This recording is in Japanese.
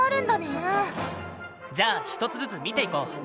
じゃあ１つずつ見ていこう。